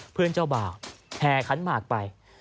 เพื่อนเจ้าบ่าแพรคันมากไป